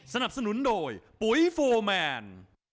สนับสนุนโดยปุ๋ยโฟร์แมน